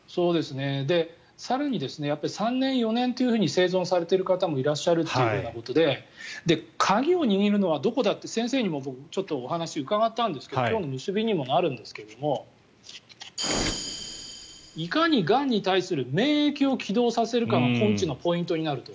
更に３年、４年と生存されている方もいらっしゃるということで鍵を握るのはどこだって先生にもお話を伺ったんですが今日の結びにもなるんですけどもいかにがんに対する免疫を起動させるかが根治のポイントになると。